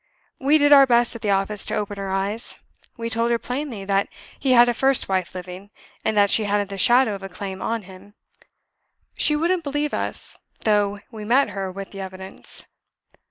We did our best at the office to open her eyes; we told her plainly that he had a first wife living, and that she hadn't the shadow of a claim on him. She wouldn't believe us, though we met her with the evidence.